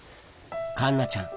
環奈ちゃん